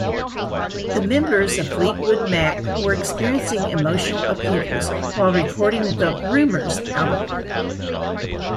The members of Fleetwood Mac were experiencing emotional upheavals while recording the "Rumours" album.